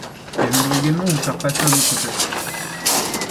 Et je dois également vous faire passer un autre test,